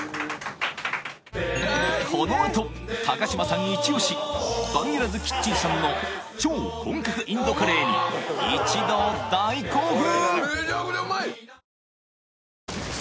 このあと嶋さんイチオシバンゲラズキッチンさんの超本格インドカレーに一同大興奮！